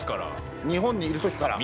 日本にいる時から。